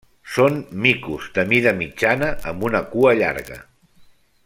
Són micos de mida mitjana amb una cua llarga.